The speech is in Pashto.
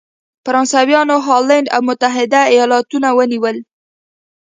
فرانسویانو هالنډ او متحد ایالتونه ونیولې.